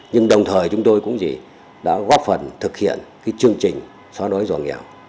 nhưng đồng thời chúng tôi cũng gì đã góp phần thực hiện cái chương trình xóa nối giò nghèo